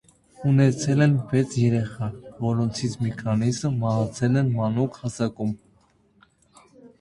Ունեցել են վեց երեխա, որոնցից մի քանիսը մահացել են մանուկ հասակում։